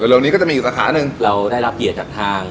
เร็วนี้ก็จะมีอยู่สาขาหนึ่งเราได้รับเกียรติจากทาง